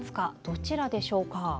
どちらでしょうか。